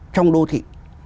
trong đô thị